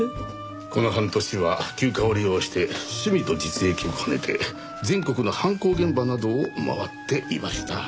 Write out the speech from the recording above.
この半年は休暇を利用して趣味と実益を兼ねて全国の犯行現場などを回っていました。